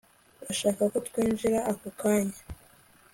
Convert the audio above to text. bashaka ko twinjira ako kanya